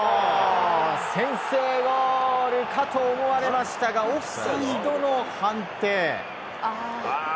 先制ゴールかと思われましたがオフサイドの判定。